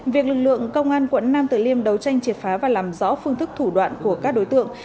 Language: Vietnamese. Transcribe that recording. việc lực lượng công an quận nam tử liêm đấu tranh triệt phá và làm rõ phương thức thủ đoạn của các đối tượng